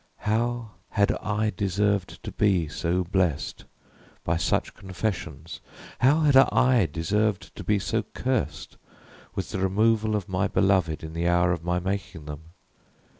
How had I deserved to be so blessed by such confessions? how had I deserved to be so cursed with the removal of my beloved in the hour of my making them?